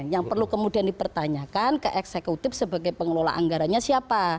yang perlu kemudian dipertanyakan ke eksekutif sebagai pengelola anggarannya siapa